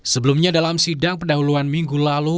sebelumnya dalam sidang pendahuluan minggu lalu